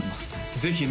ぜひね